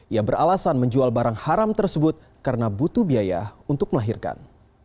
ia beralasan menjual barang haram tersebut karena butuh biaya untuk melahirkan